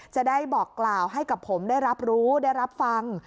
จะได้บอกกล่าวให้กับผมได้รับรู้ได้รับฟัง